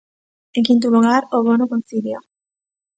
En quinto lugar, o Bono Concilia.